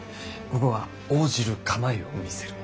ここは応じる構えを見せる。